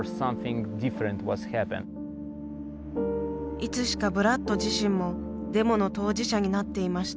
いつしかブラッド自身もデモの当事者になっていました。